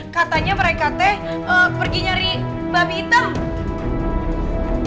katanya mereka teh pergi nyari babi hitam